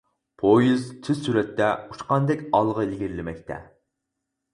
پويىز تېز سۈرئەتتە ئۇچقاندەك ئالغا ئىلگىرىلىمەكتە.